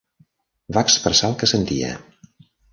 Va expressar el que sentia.